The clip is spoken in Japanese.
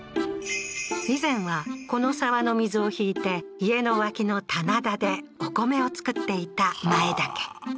以前はこの沢の水を引いて家の脇の棚田でお米を作っていた前田家